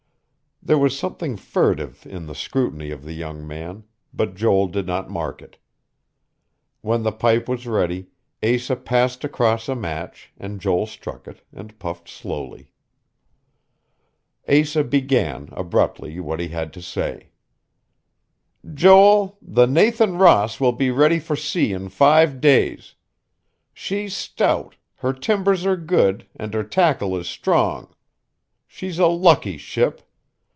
There was something furtive in the scrutiny of the young man, but Joel did not mark it. When the pipe was ready, Asa passed across a match, and Joel struck it, and puffed slowly.... Asa began, abruptly, what he had to say. "Joel, the Nathan Ross will be ready for sea in five days. She's stout, her timbers are good and her tackle is strong. She's a lucky ship.